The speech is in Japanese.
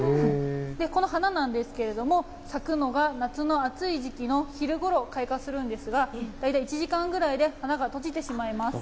この花ですが、咲くのが夏の暑い時期の昼ごろ開花するんですが大体１時間ぐらいで花が閉じてしまいます。